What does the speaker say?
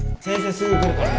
すぐ来るからね。